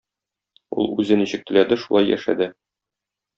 Ул үзе ничек теләде, шулай яшәде.